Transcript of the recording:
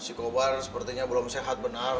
si korban sepertinya belum sehat benar